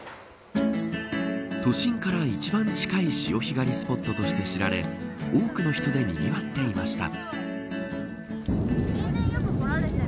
都心から一番近い潮干狩りスポットと知られ多くの人でにぎわっていました。